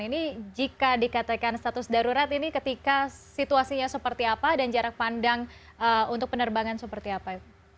ini jika dikatakan status darurat ini ketika situasinya seperti apa dan jarak pandang untuk penerbangan seperti apa